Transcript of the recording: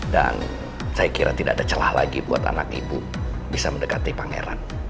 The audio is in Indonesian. dan saya kira tidak ada celah lagi buat anak ibu bisa mendekati pangeran